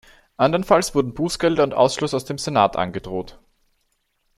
Andernfalls wurden Bußgelder und Ausschluss aus dem Senat angedroht.